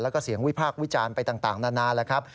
แล้วก็เสียงวิพากษ์วิจารณ์ไปต่างนานาแล้วครับ